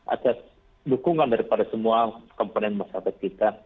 atas dukungan daripada semua komponen masyarakat kita